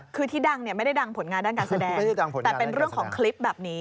คือที่ดังเนี่ยไม่ได้ดังผลงานด้านการแสดงแต่เป็นเรื่องของคลิปแบบนี้